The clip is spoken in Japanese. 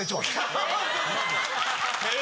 え！